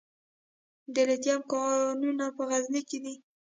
د لیتیم کانونه په غزني کې دي